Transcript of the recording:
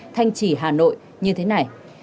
thanh chỉ hà nội như thế này